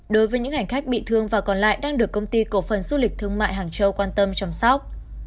đối với những hành khách bị thương và còn lại đang được công ty cổ phần du lịch thương mại hàng châu quan tâm chăm sóc